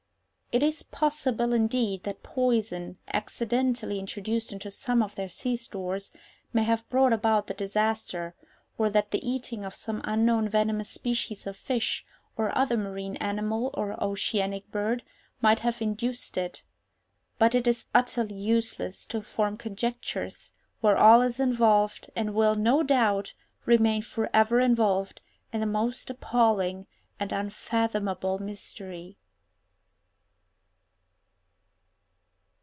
It is possible, indeed, that poison, accidentally introduced into some of their sea stores, may have brought about the disaster, or that the eating of some unknown venomous species of fish, or other marine animal, or oceanic bird, might have induced it—but it is utterly useless to form conjectures where all is involved, and will, no doubt, remain for ever involved, in the most appalling and unfathomable mystery.